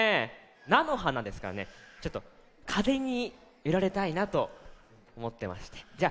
なのはなですからねちょっとかぜにゆられたいなとおもってましてじゃ